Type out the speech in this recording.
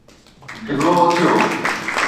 ڊگھو اٿيو